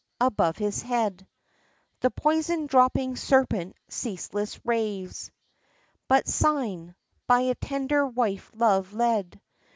Above his head The poison dropping serpent ceaseless raves; But Sigyn, by a tender wife love led.